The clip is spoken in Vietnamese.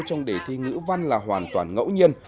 trong đề thi ngữ văn là hoàn toàn ngẫu nhiên